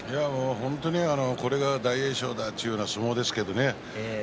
本当にこれが大栄翔だという相撲ですけどね。